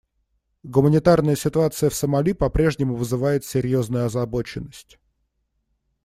Гуманитарная ситуация в Сомали по-прежнему вызывает серьезную озабоченность.